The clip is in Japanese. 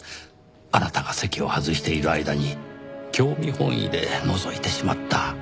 あなたが席を外している間に興味本位でのぞいてしまった。